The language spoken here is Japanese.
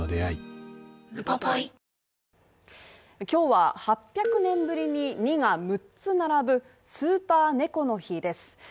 今日は、８００年ぶりに２が六つ並ぶスーパー猫の日です